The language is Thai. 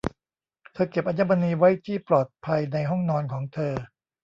เธอเก็บอัญมณีไว้ที่ปลอดภัยในห้องนอนของเธอ